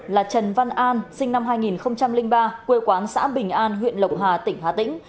là trần văn an sinh năm hai nghìn ba quê quán xã bình an huyện lộc hà tỉnh hà tĩnh